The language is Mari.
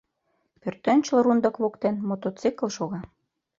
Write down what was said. Пӧртӧнчыл рундык воктен мотоцикл шога.